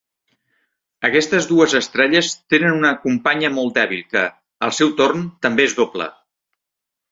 Aquestes dues estrelles tenen una companya molt dèbil que, al seu torn, també és doble.